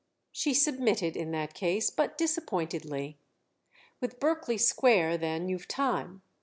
She submitted in that case—but disappointedly. "With Berkeley Square then you've time.